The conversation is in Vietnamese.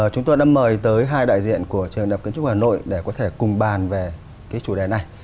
chúng tôi đã mời tới hai đại diện của trường đạp kiến trúc hà nội để có thể cùng bàn về cái chủ đề này